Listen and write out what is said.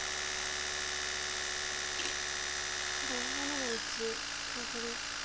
黒７の一コウ取り。